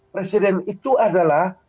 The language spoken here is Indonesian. presiden itu adalah